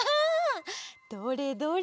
どれどれ。